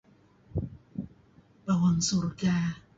Bawang surga.